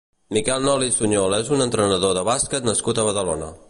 Miquel Nolis Suñol és un entrenador de bàsquet nascut a Badalona.